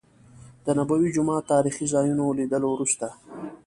د نبوي جومات تاريخي ځا يونو لیدلو وروسته.